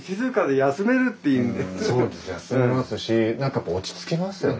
休めますしなんかこう落ち着きますよね